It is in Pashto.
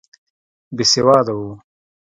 بېسواده وو.